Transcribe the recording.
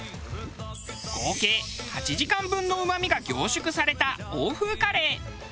合計８時間分のうまみが凝縮された欧風カレー。